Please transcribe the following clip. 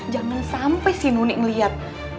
jangan sampai si nunik ngeliat